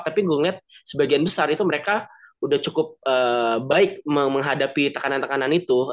tapi gue ngeliat sebagian besar itu mereka udah cukup baik menghadapi tekanan tekanan itu